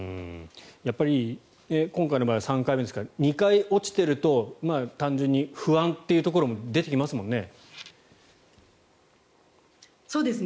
やっぱり、今回の場合３回目ですから２回落ちていると単純に不安というところも出てきますもんね。